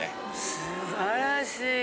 素晴らしい。